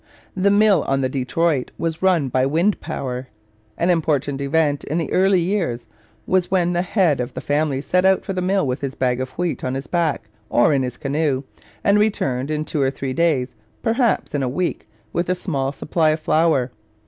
The mill on the Detroit was run by wind power. An important event in the early years was when the head of the family set out for the mill with his bag of wheat on his back or in his canoe, and returned in two or three days, perhaps in a week, with a small supply of flour.